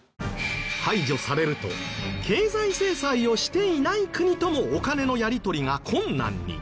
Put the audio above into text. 排除されると経済制裁をしていない国ともお金のやり取りが困難に！